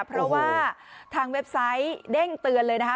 เพราะว่าทางเว็บไซต์เด้งเตือนเลยนะคะ